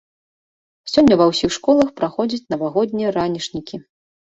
Сёння ва ўсіх школах праходзяць навагоднія ранішнікі.